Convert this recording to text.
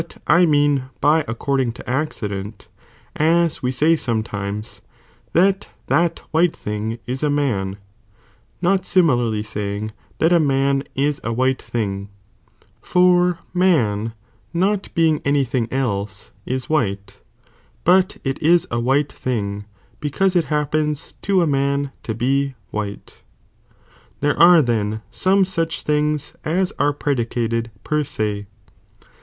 I mean by according to accident, as we say some times, that that white thing is a man, not similarly saying, that a man is a white thing, for man not being any thing else is white, but it is a white thing, because it happens to a man to be white:' there are then some such things as arc predi cated per se.